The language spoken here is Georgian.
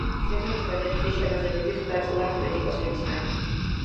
სეზონს დადებითი შეფასებები ჰხვდა წილად კრიტიკოსებისგან.